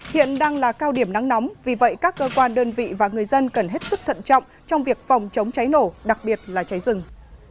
hiện đang là cao điểm nắng nóng vì vậy các cơ quan đơn vị và người dân cần hết sức thận trọng trong việc phòng chống cháy nổ đặc biệt là cháy rừng